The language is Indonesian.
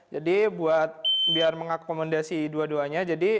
jadi buat biar mengakomodasi dua duanya